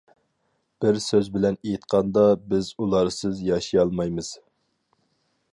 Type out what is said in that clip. بىر سۆز بىلەن ئېيتقاندا، بىز ئۇلارسىز ياشىيالمايمىز.